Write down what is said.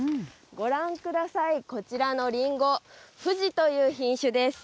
ご覧ください、こちらのりんご、ふじという品種です。